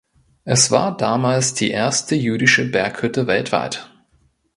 Es war damals die erste jüdische Berghütte weltweit.